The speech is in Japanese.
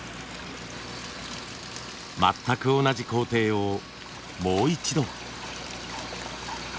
全く同じ工程をもう一度。